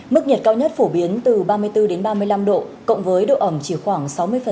mức nhiệt cao nhất phổ biến từ ba mươi bốn đến ba mươi năm độ cộng với độ ẩm chỉ khoảng sáu mươi